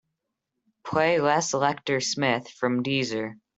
Play Les Lecter Smith from deezer.